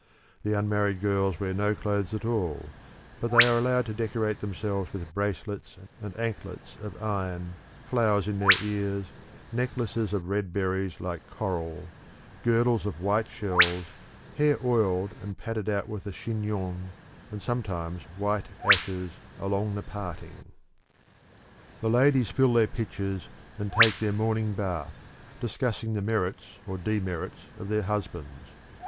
The unmarried girls wear no clothes at all, but they are allowed to decorate themselves with bracelets and anklets of iron, flowers in their ears, necklaces of red berries like coral, girdles of white shells, hair oiled and padded out with the chignon, and sometimes white ashes along the parting. The ladies fill their pitchers and take their morning bath, discussing the merits or demerits of their husbands.